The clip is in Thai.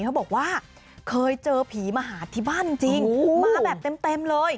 เขาบอกว่าเคยเจอผีมาหาที่บ้านจริงมาแบบเต็มเลย